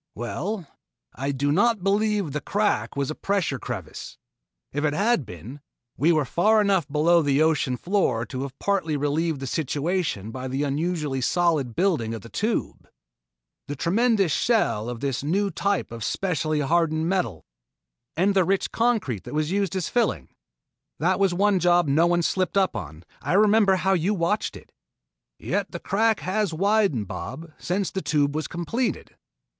"Well, I do not believe that the crack was a pressure crevice. If it had been, we were far enough below the ocean floor to have partly relieved the situation by the unusually solid building of the Tube. The tremendous shell of this new type of specially hardened metal " "And the rich concrete that was used as filling! That was one job no one slipped up on. I remember how you watched it " "Yet the crack has widened, Bob, since the Tube was completed."